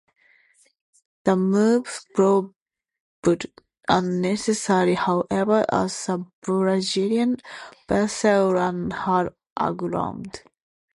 The move proved unnecessary, however, as the Brazilian vessel ran hard aground.